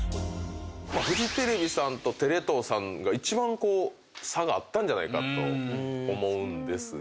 フジテレビさんとテレ東さんが一番差があったんじゃないかと思うんですが。